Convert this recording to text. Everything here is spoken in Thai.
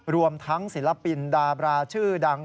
รวมทั้งศิลปินดาบราชื่อดัง